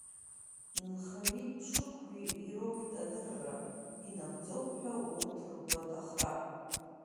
Нхаҩи ԥшыхәҩи ироут адырра инагӡоуп ҳәа урҭ ргәаҭахра…